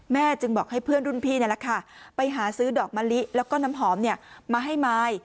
จึงบอกให้เพื่อนรุ่นพี่นี่แหละค่ะไปหาซื้อดอกมะลิแล้วก็น้ำหอมมาให้มาย